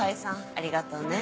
ありがとうね。